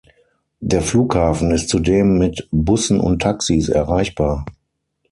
Der Flughafen ist zudem mit Bussen und Taxis erreichbar.